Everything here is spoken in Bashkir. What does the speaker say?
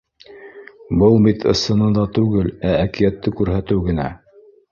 Был бит ысынында түгел, ә әкиәтте күрһәтеү генә.